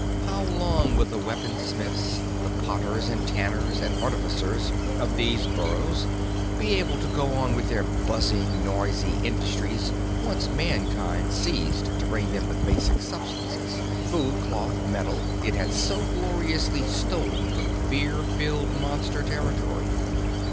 How long would the weaponsmiths, the potters and tanners and artificers of these burrows be able to go on with their buzzing, noisy industries once Mankind ceased to bring them the basic substances food, cloth, metal it had so gloriously stolen from fear filled Monster territory?